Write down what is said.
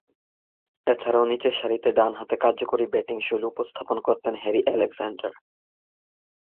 এছাড়াও, নিচেরসারিতে ডানহাতে কার্যকরী ব্যাটিংশৈলী উপস্থাপন করতেন হ্যারি আলেকজান্ডার।